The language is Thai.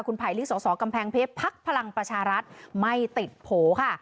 ไผลลิสสกำแพงเพชรพักพลังประชารัฐไม่ติดโผล่ค่ะ